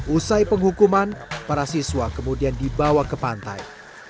usai penghukuman para siswa kemudian dibawa ke pantai